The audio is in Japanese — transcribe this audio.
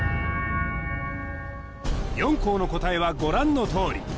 ４校の答えはご覧の通り